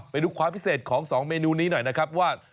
ไปดูความพิเศษของ๒เมนูนี้หน่อยนะครับว่า